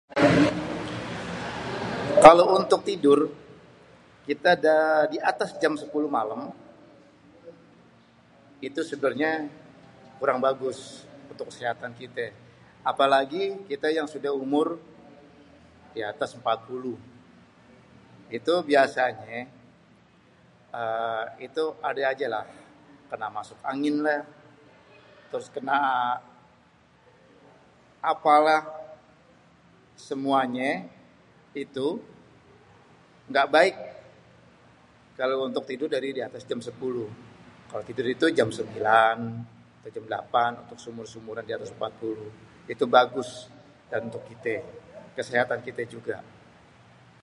kalo untuk tidur, kita ada di atas jam 10 malem, itu sebenernyé kurang bagus untuk kesehetan kité, apelagi kité yang sudah umur di atas 40, itu biasanyé ééé itu adé ajé lah, kena masuk angin lah, terus kena, apalah, semuanyé, itu, ga baik, kalo untuk tidur dari di atas jam 10. Kalo tidur itu jam 9 atau jam 8 untuk seumur-umuran di atas 40 itu bagus, dan untuk kité dan kesehatan kité juga.